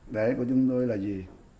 để của chúng tôi là gì